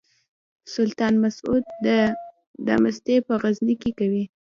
سلطان مسعود دا مستي په غزني کې کوي.